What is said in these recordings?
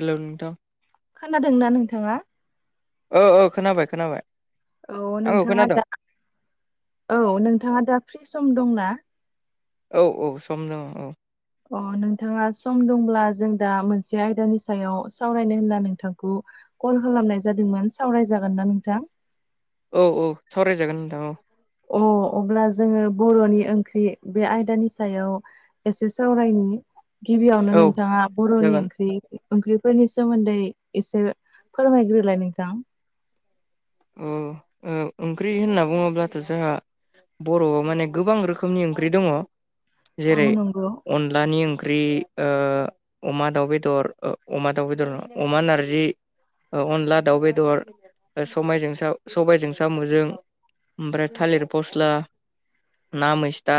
Hello नोंथां खोनादों ना नोंथाङा? औ औ खोनाबाय खोनाबाय। औ आंखौ नोंथाङा खोनादों दा औ नोंथाङा दा फ्रि सम दंना? औ औ सम दङ औ। अ नोंथाङा सम दंब्ला जों दा मोनसे आयदानि सायाव सावरायनो होनना नोंथांखौ कल खालामनाय जादोंमोन। सावरायजागोन ना नोंथां? औ औ सावरायजागोन नोंथां औ। अ अब्ला जोंङो बर'नि ओंख्रि बे आयदानि सायाव एसे सावरायनि गिबियावनो औ नोंथाङा बर'नि जागोन ओंख्रि ओंख्रिफोरनि सोमोन्दै एसे फोरमायग्रोलाय नोंथां। औ ओ ओंख्रि होनना बुङोब्लाथ' जोंहा बर'आव माने गोबां रोखोमनि ओंख्रि दङ। औ जेरै नंगौ अनलानि ओंख्रि ओ अमा दाउ बेदर अमा दाउ बेदर अमा नारजि ओ अनला दाउ बेदर समाय सबायाइजों साम'जों ओमफ्राय थालिर फस्ला ना मैस्था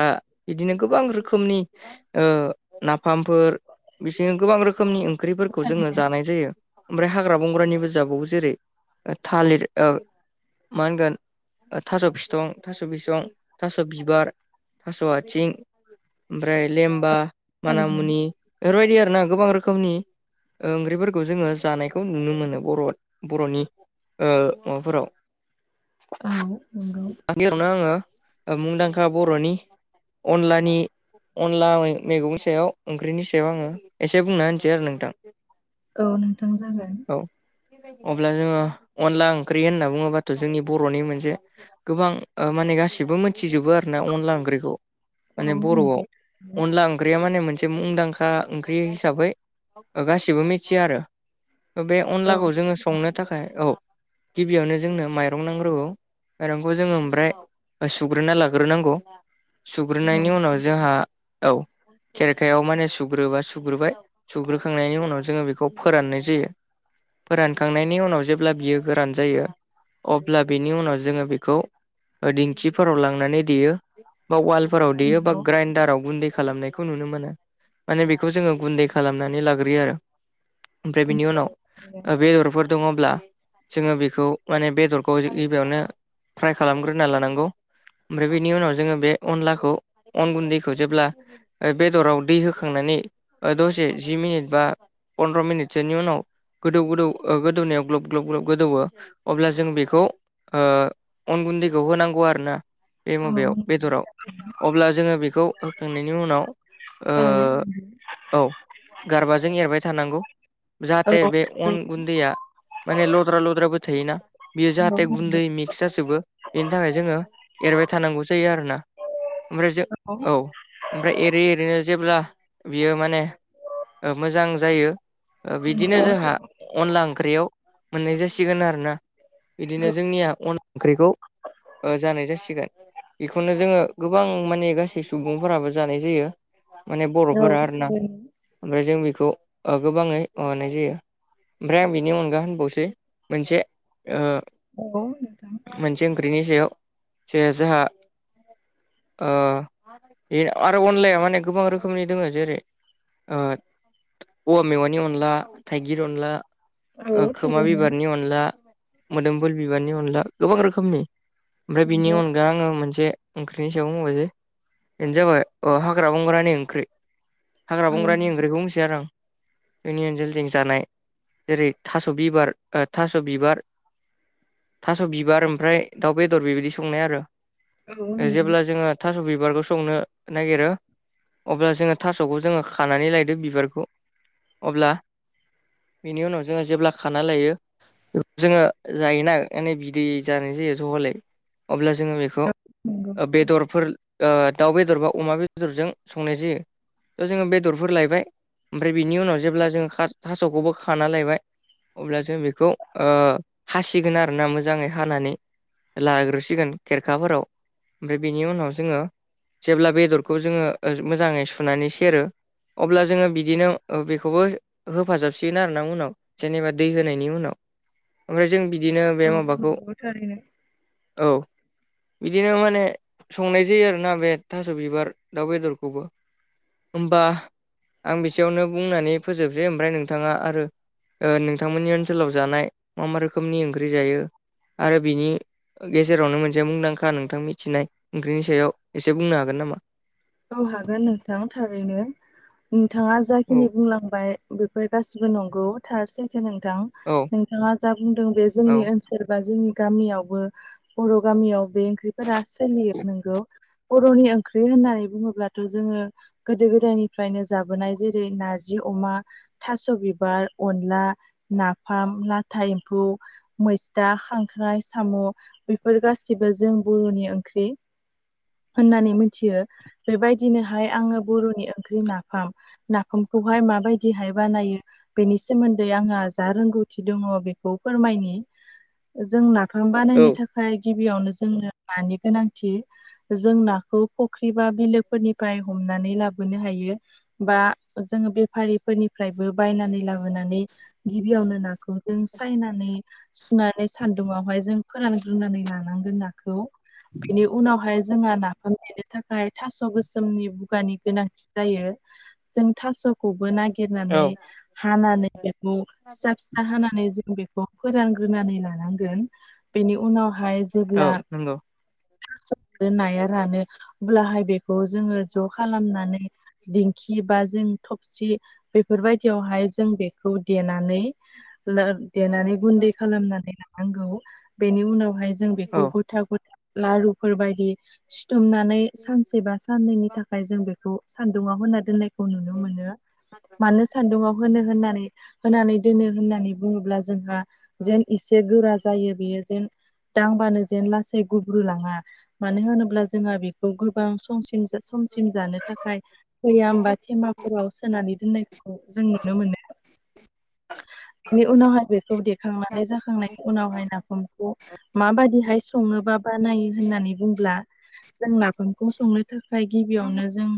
बिदिनो गोबां रोखोमनि ओ नाफामफोर बिदिनो गोबां रोखोमनि ओं ओंख्रिफोरखौ जोंङो थारैनो जानाय जायो। ओमफ्राय हाग्रा बंग्रानिबो जाबावो जेरै- थालिर औ मा होनगोन थास' बिथं, थास' बिसं, थास' बिबार, थास' आथिं ओमफ्राय लेमबा थारैनो मानामुनि बेफोरबायदि आरोना गोबां रोखोमनि ओ ओंख्रिफोरखौ जोंङो जानायखौ नुनो मोनो ओ बर' बर'नि माबाफोराव औ नंगौ गिबियावनो आंङो मुंदांखा बर'नि अनलानि अनला मे मैगंनि सायाव ओंख्रिनि सायाव आङो एसे बुंना होनिसै आरो नोंथां औ नोंथां जागोन। औ अब्ला जोंङो अनला ओंख्रि होनना बुङोबाथ' जोंनि बर'नि मोनसे गोबां ओ माने गासिबो मोनथिजोबो आरोना अनला ओंख्रिखौ औ माने बर'आव नंगौ अनला ओंख्रिया माने मोनसे मुंदांखा ओंख्रि हिसाबै ओ गासिबो मिथियो आरो बे औ अनलाखौ जोंङो संनो थाखाय औ गिबियावनो जोंनो माइरं नांग्रोगौ मायरंखौ जोंङो ओमफ्राय सुग्रोना लाग्रोनांगौ सुग्रोनायनि उनाव जों थारैनो जोंहा औ खेरखायाव माने सुग्रोबा सुग्रोबाय सुग्रोखांनायनि उनाव जोंङो बेखौ फोराननाय जायो फोरानखांनायनि उनाव जेब्ला बियो गोरान जायो अब्ला बेनि उनाव जोंङो बेखौ ओ दिंखिफोराव लांनानै देयो बा वालफोराव देयो बा ग्राइन्दाराव गुन्दै खालामनाय बेखौ नुनो मोनो माने बेखौ जोंङो गुन्दै खालामनानै लाग्रोयो आरो ओमफ्राय बिनि उनाव बेदरफोर दंङब्ला जोंङो बेखौ माने बेदरखौ बियावनो फ्राय खालामग्रोना लानांगौ ओमफ्राय बेनि उनाव जोंङो बे अनलाखौ अन गुन्दैखौ जेब्ला ओ बेदराव दै होखांनानै ओ दसे जि मिनिट बा पन्द्र' मिनिटसोनि उनाव गोदौ गोदौ ओ गोदौनायाव ग्लब ग्लब ग्लब गोदौवो अब्ला जों बेखौ ओ अन गुन्दैखौ होनांगौ आरोना बे औ माबायाव बेदराव अब्ला जोङो बेखौ होखांनायनि उनाव ओ थारैनो औ गारबाजों एरबाय थानांगौ जाहाथे बे अन गुन्दैया माने लद्रा-लद्राबो थायोना बियो जाहाथे नंगौ गुन्दै मिक्स जाजोबो इनि थाखाय जोंङो एरबाय थानांगौ जायो आरोना ओमफ्राय जो औ ओमफ्राय एरै एरैनो जेब्ला बियो माने ओ मोजां जायो ओ बिदिनो नंगौ नंगौ जोंहा अनला ओंख्रियाव मोननाय जासिगोन आरोना इदिनो जोंनिया अन ओंख्रिखौ ओ जानाय जासिगोन इखौनो जोंङो गोबां माने गासै सुबुंफोराबो जानाय जायो माने औ बर'फोरा आरोना ओमफाय जों बिखौ ओ गोबांङै माबानाय जायो ओमफ्राय आं बिनि अनगा होनबावसै मोनसे ओ औ मोनसे ओंख्रिनि सायाव जे जोहा ओ एर आरो अनलाया माने गोबां रोखोमनि दंङ जेरै ओ औवा मेवानि अनला थाइगिर अनला ओ खोमा बिबारनि अनला मोदोमफुल बिबारनि अनला गोबां रोखोमनि ओमफ्राय बिनि अनगा आङो मोनसे ओंख्रिनि सायाव बुंबायसै इनो जाबाय ओ हाग्रा बंग्रानि ओंख्रि। हाग्रा बंग्रानि ओंख्रिखौ बुंनोसै आरो आं जोंनि ओनसोलथिं जानाय जेरै थास स' बिबार ओ थास' बिबार। थास' बिबार ओमफ्राय दाउ बेदर बेबायदि संनाय आरो ओ जेब्ला जोङो थास' बिबारखौ संनो नागिरो अब्ला जोङो थास'खौ जोङो खानानै लायदो बिबारखौ अब्ला बिनि उनाव जोङो जेब्ला खाना लायो जोङो जायोना ओंखायनो बिदै जानाय जायो जहलै अब्ला जोङो बेखौ ओ बेदरफोर ओ दाउ बेदर बा अमा बेदरजों संनाय जायो। ट' जोङो बेदरफोर लायबाय ओमफ्राय बिनि उनाव जेब्ला जोङो खा थास'खौबो खाना लायबाय। अब्ला जों बेखौ ओ हासिगोन आरोना मोजाङै हानानै लाग्रोसिगोन खेरखाफोराव ओमफ्राय बेनि उनाव जोङो जेब्ला बेदरखौ जोङो ओ मोजाङै सुनानै सेरो अब्ला जोङो बिदिनो ओ बेखौबो होफाजाबसिगोन आर ना उनाव। जेनेबा दै होनायनि उनाव ओमफ्राय जों बिदिनो बे माबाखौ नंगौ थारैनो औ। बिदिनो माने संनाय जायो आरोना बे थास' बिबार दाउ बेदरखौबो। होमबा आं बिसेयावनो बुंनानै फोजोबसै ओमफ्राय नोंथाङा आरो ओ नोंथांमोननि ओनसोलाव जानाय मा मा रोखोमनि ओंख्रि जायो आरो बिनि गेजेरावनो मोनसे मुंदांखा नोंथां मिथिनाय ओंख्रिनि सायाव एसे बुंनो हागोन नामा? औ हागोन नोंथां थारैनो। नोंथाङा जाखिनि औ बुंलांबाय बेफोर गासिबो नंगौ थार सैथो नोंथां। औ नोंथाङा जा बुंदों बे औ जोंनि ओनसोल बा जोंनि गामियावबो बर' गामियाव बे ओंख्रिफोरा सोलियो नोंगौ बर'नि ओंख्रि होननानै बुङोब्लाथ' जोङो गोदो गोदायनिफ्रायनो जाबोनाय जेरै नारजि अमा थास' बिबार, अनला, नाफाम, लाथा एम्फौ मैस्था, खांख्राइ, साम' बेफोर गाससिबो जों बर'नि ओंख्रि। होननानै मिथियो बेबायदिनोहाय आङो बर'नि ओंख्रि नाफाम नाफामखौहाय माबायदिहाय बानायो? बेनि सोमोन्दै आंहा जा रोंगौथि दङ बेखौ फोरमायनि जोंना फाम बानायनो थाख फाय गिबियावनो जोंनो नानि गोनांथि जों नाखौ फुख्रि बा बिलो फोरनिफ्राय हमनानै लाबोनो हायो। बा जोङो बेफारिफोरनिफ्रायबो बायनानै लाबोनानै गिबियावनो नाखौ जों सायनानै सुनानै सान्दुङावहाय जों फोरानग्रोननानै लानांगोन नाखौ। बिनि उनावहाय जोंहा नाफाम देनो थाखाय थास' स' गोसोमनि बुगानि गोनांथि जायो जों थास'खौबो औ नागिरनानै हानानै बेखौ फिसा फिसा हानानै जों बेखौ फोरानग्रोनानै लानांगोन। बेनि उनावहाय औ जेब्ला नंगौ [unintelligible] नाया रानो अब्लाहाय बे खौ जोङो ज' खालामनानै दिंखि बा जों थफसि बेफोर बायदियावहाय जों बेखौ देनानै लो देनानै गुन्दै खालामनानै लानांगौ बेनि उनावहाय जों औ बेखौ गथा गथा लारुफोरबायायदि सिथुमनानै सान जों बेखौ सान्दुङाव होनना दोननाय नुनो मोनो मानो सान्दुङाव होनो होननानै होनानै दोनो होननानै बुङोब्ला जोंहा जेन इसे गोरा जायो बेयो जेन दांबानो जेन लासै गुब्रुलाङा मानो होनोब्ला जोंहा बेखौ गोबां समसिम समसिम जानो थाखाय भैयाम बा थेमाफोराव सोनानै दोननायखौ खौ जों नुनो मोनो। [inaudible] बेनि उनावहाय बेखौ देखांनानै जाखांनायनि उनावहाय नाफामखौ मा बादिहाय सङोबा बानायो होननानै बुंब्ला जों नाफामखौ संनो थाखाय गिबियावनो जों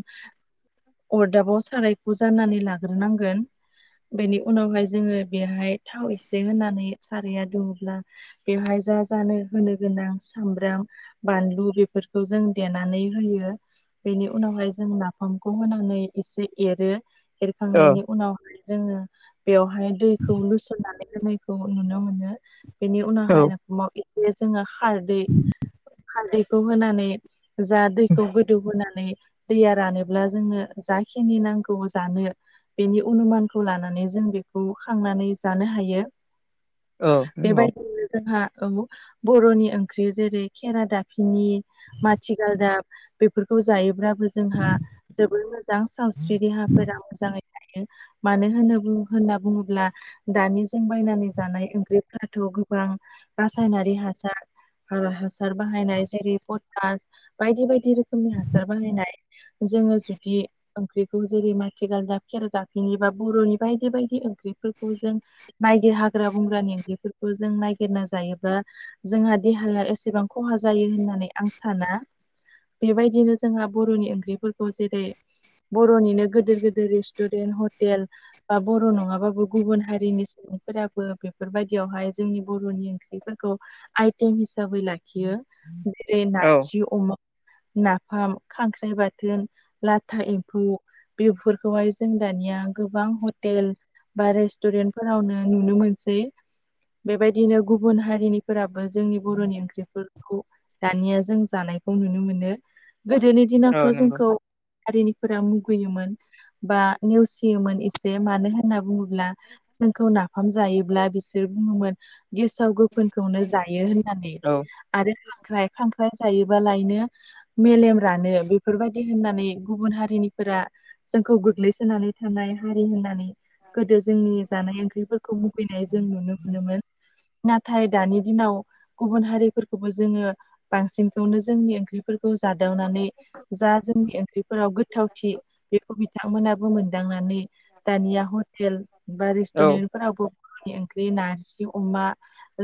अरदाबाव सारायखौ जाननानै लाग्रोनांगोन बेनि उनावहाय जोङो बेहाय थाव एसे होनानै साराया दुङोब्ला बेवहाय जा जानो होनो गोनां सामब्राम बानलु बेफोरखौ जों देनानै होयो। बेनि उनावहाय जोंङ नाफामखौ होनानै एसे एरो औ एरखांनायनि उनावहाय जोङो बेवहाय दैखौ लुसननानै होन खौ नुनो मोनो बेनि औ उनावहाय रखाव बे जोङो खारदै खारदैखौ होनानै जा दैखौ गोदौ होनोनानै दैया रानोब्ला जोङो जाखिनि नांगौ जानो बेनि अनुमानखौ लानानै जों बेखौ खांनानै जानो हायो नंगौ बेबायदिनो जोंहाु बर'नि ओंख्रि जेरै खेरा दाफिनि माथिगाल दा बेफोरखौ जायोब्लाबो जोंहा जबोोर मोजां सावस्रि देहाफोरा मोजाङै थायो मानो होनोब्ला होनना बुङोब्ला दानिजों बायनानै जानाय ओंख्रिफ्राथ' गोबां रासायनारि हासार ह हासार बाहायनाय जेरै पटास बायदि बायदि रोखोम रोखोमनि हासार बाहानायनाय जोङो जुदि ओंख्रिखौ जेरै मथिेगाल दा खियार गाफिनि बा बर'नि बायदि बेबायदि ओंख्रिफोरखौ जों नायिर हाग्रा बंग्रानि ओंख्रिफोरखौ जों ननायागिरना जायोब्ला जोंहा देहाया एसेबां खहा जायो होननानै आं साना बेबायदिनो जोंहा बर'नि ओंख्रिफोरखौ जेरै बर'निनो गिदिर गोिदिर रेस्टुरेन्ट हटेल बा बर' नङाबाबो गुबुन हारिनि सुबुंफोराबो बेफोरबायदियावहाय जोंनि बर'नि ओंख्रिफोरखौ आइटेम हिसाबै लाखियो जेरै औ नारजि अमा नाफाम खांख्राइ बाथोन लाथा एम्फौ बेफोरखौहाय जों दानिया गोबां हटेल बा रेस्टुरेन्ट फोरावनो नुनो मोनसै बेबायदिनो गुबुन हारिनिफोराबो जोंनि बर'नि ओंख्रिफोरखौ दानिया जों जानायखौ नुनो मोनो गोदोनि औ दिनावथ' नंगौ जोंखौ हारिनिफोरा मुगैयोमोन बा नेवसियोमोन एसे मानो होनना बुङोब्ला जोंखौ नाफाम जायोब्ला बिसोर बुङोमोन गेसाव गोफोनखौनो जायो होननानै औ आरो खांख्राय खांख्राय जायोबालायनो मेलेम रानो बेफोरबायाददि होननानै गुबुन हारिनिफोरा जोंखौ गोग्लैसोनानै थानाय हारि होननानै गोदो जोंनि जानाय ओंख्रिफोरखौ मुगैनाय जों नुनो मोनोमोन नाथाय दानि दिनाव गुबुन हारिफोरखौबो जोङो बांसिनखौनो जोंनि ओंख्रि खौ जादावनानै जा जोंनि ओंख्रिफोराव गोथावथि बेखौ बिथांमोनाबो मोनदांनानै दानिया हटेल बा औ रेस्टुरेन्ट फोरावबो ब ओंख्रि नारजि अमा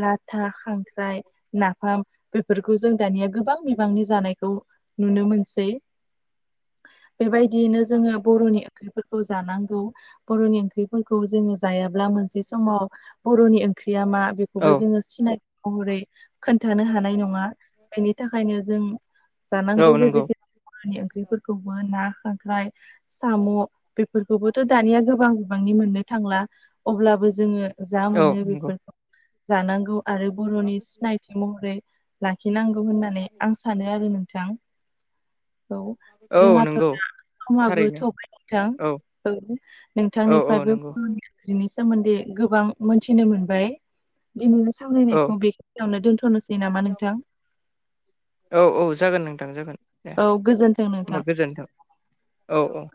लाथा खांख्राइ नाफाम बेफोरखौ जों दानिया गोबां बिबांनि जानायखौ नुनो मोनसै बेबायदियैनो जोङो बर'नि ओंख्रिफोरखौ जानांगौ बर'नि ओंख्रिफोरखौ जोङो जायाब्ला मोनसे समाव बर'नि ओंख्रिरिया मा बे औ खौबो जोङो सिनाय महरै खोन्थानो हानाय नङा बेनि थाखायनो जों जानांगौ औ नंगौ गेजेर गेजेरानि ओंख्रिफोरखौबो ना खांख्राय साम' बे बे खौबोथ' दानिया गोबां गोबांनि मोननो थांला अब्लाबो जोङो जा औ मोनो नंगौ बेफोरखौ जानांगौ आरो बर'नि सिनायथि महरै लाखिनांगौ होननानै आं सानो सानो आरो नोंथां औ औ जोंहाथ' नंगौ समाबो थारैनो थगायथां औ औ औ नंगौ नोंथांनिफ्रायबोाख्रिनि सोमोन्दै गोबां मोनथिनो मोनबाय दिनैनो औ सावरायनायखौ बेखिनियावनो दोनथ'नोसै नामा नोंथां औ औ जागोन नोंथां जागोन दे औ गोजोन्थों नोंथां होमबा गोजोनथों औ औ